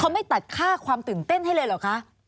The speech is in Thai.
เขาไม่ตัดค่าความตื่นเต้นให้เลยเหรอคะ